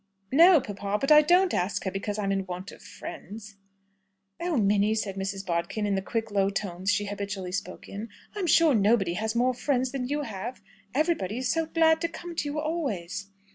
"No, papa. But I don't ask her because I'm in want of friends." "Oh, Minnie," said Mrs. Bodkin in the quick, low tones she habitually spoke in, "I'm sure nobody has more friends than you have! Everybody is so glad to come to you, always."